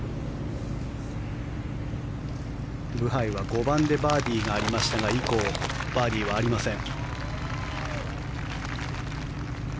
ブハイは５番でバーディーがありましたが以降、バーディーはありません。